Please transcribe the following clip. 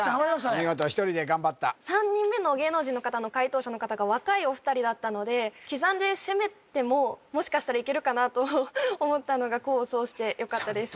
お見事１人で頑張った３人目の芸能人の方の解答者の方が若いお二人だったので刻んで攻めてももしかしたらいけるかなと思ったのが功を奏してよかったです